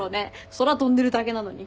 空飛んでるだけなのに。